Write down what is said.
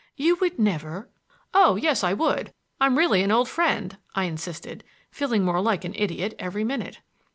You would never—" "Oh, yes, I would; I'm really an old friend!" I insisted, feeling more like an idiot every minute.